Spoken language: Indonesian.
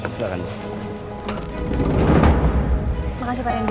terima kasih pak randy